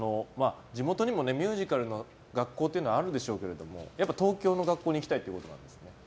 地元にもミュージカルの学校ってあるでしょうけれどもやっぱり東京の学校に行きたいっていうことなんですね。